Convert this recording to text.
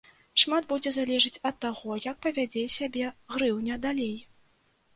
Шмат будзе залежыць ад таго, як павядзе сябе грыўня далей.